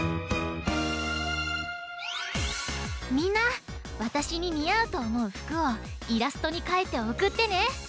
みんなわたしににあうとおもうふくをイラストにかいておくってね！